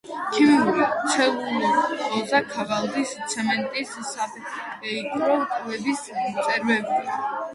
ქიმიური, ცელულოზა-ქაღალდის, ცემენტის, საფეიქრო, კვების მრეწველობა.